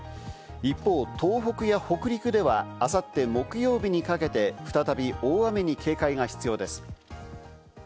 一方、東北や北陸では、あさって木曜日にかけて再び大雨に警戒が必要です。